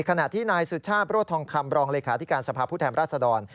ในขณะที่นายสุชาปโรธทองคำบรองเลยคาธิการสภาพุทธแห่งราษฎร